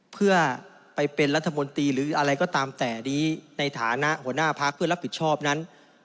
เพื่อไปเป็นรัฐมนตรีหรืออะไรก็ตามแต่นี้ในฐานะหัวหน้าพักเพื่อรับผิดชอบนั้น